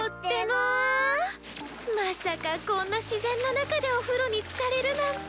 まさかこんな自然の中でお風呂につかれるなんて。